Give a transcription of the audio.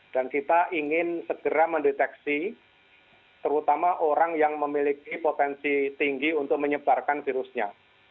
dan kita ingin segera mendeteksi terutama orang yang memiliki potensi tinggi untuk menyebarkan virusnya